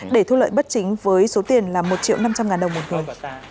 để thu lợi bất chính với số tiền là một triệu năm trăm linh ngàn đồng một người